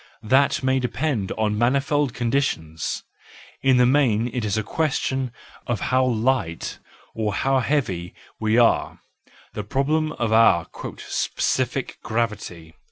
That may depend on manifold conditions: in the main it is a question of how light or how heavy we are, the problem of our "specific gravity."